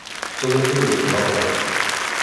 Tom atan deg beṛṛa.